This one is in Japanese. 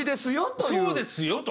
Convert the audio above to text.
そうですよと。